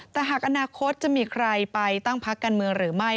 แต่หากอนาคตจะมีใครไปตั้งพักการเมืองหรือไม่